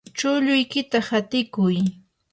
chulluykita hatikuy.